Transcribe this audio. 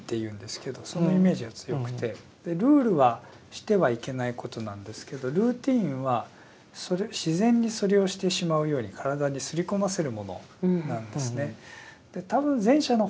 ルールはしてはいけないことなんですけどルーティンは自然にそれをしてしまうように体にすり込ませるものなんですね。